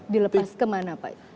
dilepas kemana pak